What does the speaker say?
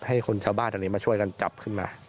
ให้คนชาวบ้านอันนี้มาช่วยกันจับขึ้นมา